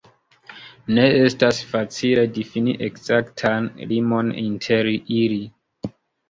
Ne estas facile difini ekzaktan limon inter ili.